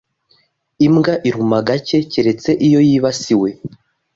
Imbwa iruma gake keretse iyo yibasiwe.